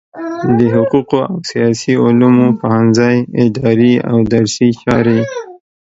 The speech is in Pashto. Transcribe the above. د حقوقو او سیاسي علومو پوهنځی اداري او درسي چارې